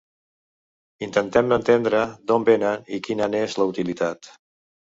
Intentem entendre d’on vénen i quina n’és la utilitat.